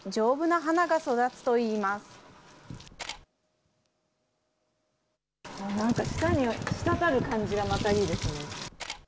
なんか下にしたたる感じがまたいいですね。